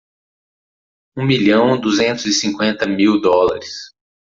Um milhão duzentos e cinquenta mil dólares.